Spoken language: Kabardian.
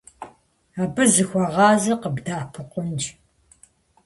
Абы зыхуэгъази къыбдэӀэпыкъунщ.